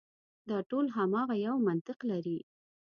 دا ټول هماغه یو منطق لري.